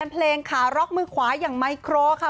เพลงขาร็อกมือขวาอย่างไมโครค่ะ